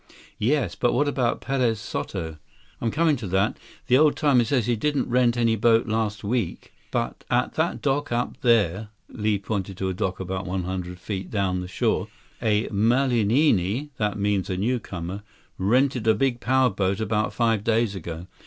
"Yes, but what about Perez Soto?" "I'm coming to that. The oldtimer says he didn't rent any boat last week, but at that dock up there—" Li pointed to a dock about one hundred feet down the shore—"a malihini—that means a newcomer—rented a big power boat about five days ago.